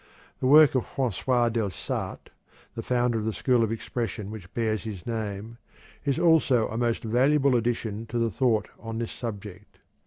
The work of François Delsarte, the founder of the school of expression which bears his name, is also a most valuable addition to the thought on this subject.